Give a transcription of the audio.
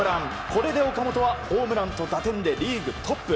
これで岡本はホームランと打点でリーグトップ。